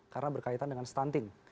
karena berkaitan dengan stunting